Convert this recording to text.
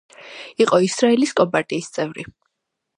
იყო ისრაელის კომპარტიის წევრი.